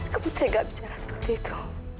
kamu tega bicara seperti itu